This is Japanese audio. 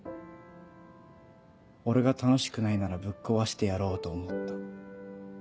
俺が楽しくないならぶっ壊してやろうと思った。